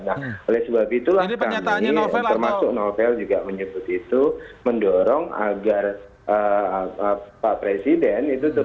nah oleh sebab itulah kami termasuk novel juga menyebut itu mendorong agar pak presiden itu